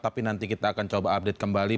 tapi nanti kita akan coba update kembali